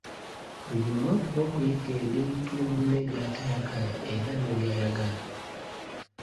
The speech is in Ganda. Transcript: Buli omu afube okuyiga ebintu munne by’atayagala era ne byayagala.